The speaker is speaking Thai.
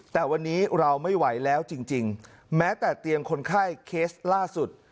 แต่วันนี้เราไม่ไหวแล้วจริงแม้แต่เตียงคนไข้เคสล่าสุด